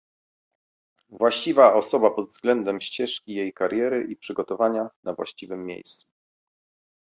właściwa osoba, pod względem ścieżki jej kariery i przygotowania, na właściwym miejscu